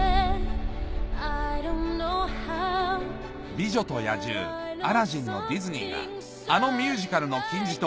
『美女と野獣』『アラジン』のディズニーがあのミュージカルの金字塔